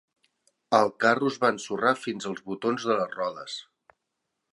El carro es va ensorrar fins als botons de les rodes.